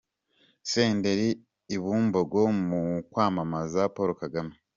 Senderi i Bumbogo mu kwamamaza Paul Kagame.